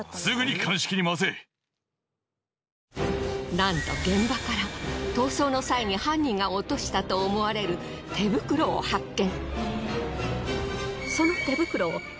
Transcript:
なんと現場から逃走の際に犯人が落としたと思われる手袋を発見。